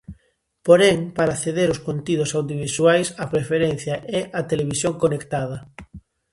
Porén, para acceder aos contidos audiovisuais a preferencia é a televisión conectada.